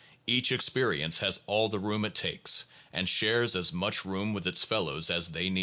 Each experience has all the room it takes, and shares as much room with its fellows as they need.